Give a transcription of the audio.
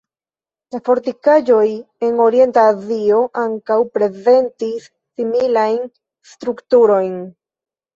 Fortikaĵoj en Orienta Azio ankaŭ prezentis similajn strukturojn.